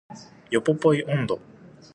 ヨポポイ音頭